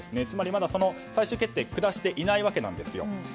つまり、その最終決定をまだ下していないわけですよ。